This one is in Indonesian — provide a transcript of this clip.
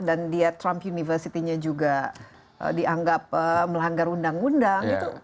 dan trump university nya juga dianggap melanggar undang undang